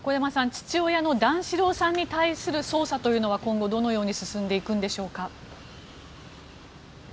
父親の段四郎さんに対する捜査というのは今後どのように進んでいくんでしょうか。